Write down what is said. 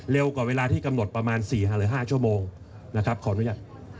เร็วกว่าเวลาที่กำหนดประมาณ๔หรือ๕ชั่วโมงขออนุญาต